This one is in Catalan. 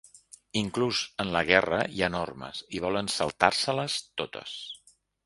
Inclús en la guerra hi ha normes i volen saltar-se-les totes.